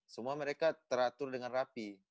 semua mereka teratur dengan rapi